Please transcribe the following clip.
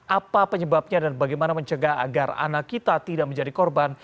apa penyebabnya dan bagaimana mencegah agar anak kita tidak menjadi korban